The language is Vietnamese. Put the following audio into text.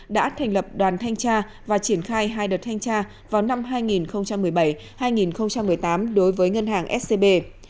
đã thành lập đoàn thanh tra và triển khai hai đợt thanh tra vào năm hai nghìn một mươi bảy hai nghìn một mươi tám đối với ngân hàng scb